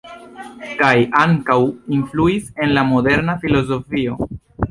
Kaj ankaŭ influis en la moderna filozofio.